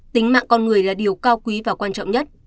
tính mạng con người là điều cao quý và quan trọng nhất